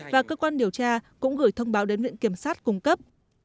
và cơ quan điều tra cũng gửi thông báo đến viện kiểm sát cung cấp